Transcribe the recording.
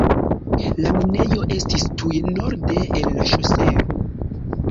La minejo estis tuj norde el la ŝoseo.